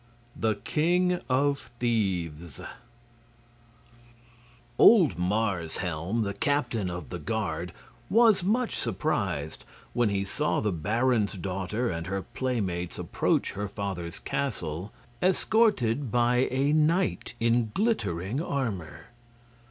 The King of Thieves Old Marshelm, the captain of the guard, was much surprised when he saw the baron's daughter and her playmates approach her father's castle escorted by a knight in glittering armor.